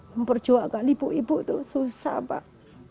memperjuangkan ibu ibu itu susah pak